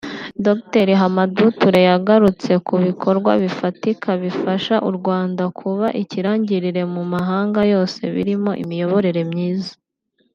Dr Hamadoun Touré yagarutse ku bikorwa bifatika bifasha u Rwanda kuba ikirangirire mu mahanga yose birimo imiyoborere myiza